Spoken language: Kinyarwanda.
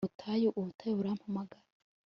ubutayu, ubutayu burampamagara